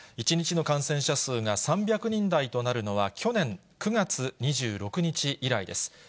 １日の感染者数が３００人台となるのは、去年９月２６日以来です。